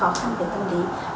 họ có những tổn thương về tâm lý